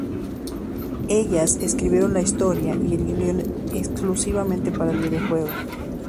Ellas escribieron la historia y el guion exclusivamente para el videojuego.